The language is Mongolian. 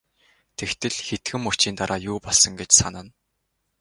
Тэгтэл хэдхэн мөчийн дараа юу болсон гэж санана.